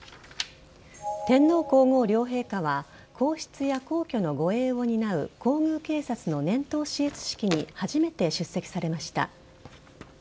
天皇皇后両陛下は皇室や皇居の護衛を担う皇宮警察の年頭視閲式に初めて出席されました。